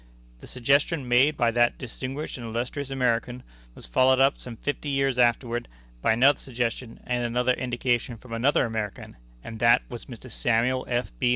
"The suggestion made by that distinguished and illustrious American was followed up some fifty years afterward by another suggestion and another indication from another American, and that was Mr. Samuel F. B.